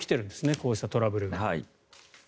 こうしたトラブルが。